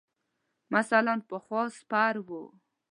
مثلاً پخوا سپر ؤ.